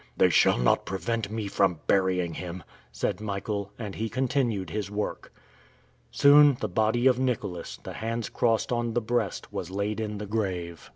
"They shall not prevent me from burying him!" said Michael. And he continued his work. Soon, the body of Nicholas, the hands crossed on the breast, was laid in the grave.